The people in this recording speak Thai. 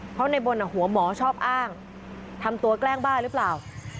เพราะในบนหัวหมอชอบอ้างทำตัวแกล้งบ้าหรือเปล่า